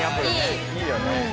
いいよね。